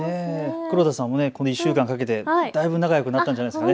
黒田さんもこの１週間かけてだいぶ仲よくなったんじゃないですか。